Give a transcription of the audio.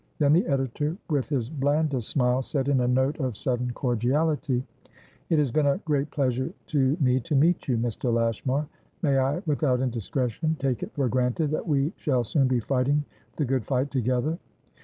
Then the editor, with his blandest smile, said in a note of sudden cordiality: "It has been a great pleasure to me to meet you, Mr. Lashmar. May I, without indiscretion, take it for granted that we shall soon be fighting the good fight together?"